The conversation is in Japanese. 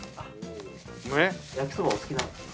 焼きそばお好きなんですか？